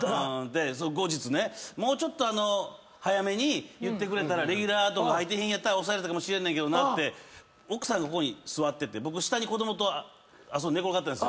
後日ねもうちょっと早めに言ってくれたらレギュラーとか入ってへん日やったら押さえれたかもしれないって奥さんがここに座ってて下に子供と寝転がってんですよ。